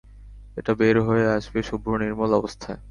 এটা বের হয়ে আসবে শুভ্র নির্মল অবস্থায়।